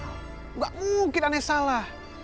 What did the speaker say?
tidak mungkin aneh salah